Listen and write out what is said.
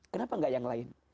kenapa tidak yang lain